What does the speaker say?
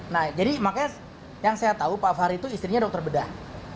nah jadi makanya yang saya tahu pak fahri itu istrinya dokter bedah